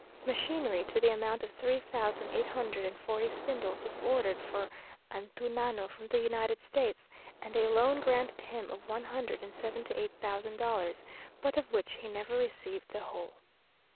Machinery, to the amount of three thousand eight hundred and forty spindles, was ordered for Antunano from the United States, and a loan granted him of one hundred and seventy eight thousand dollars, but of which he never received the whole.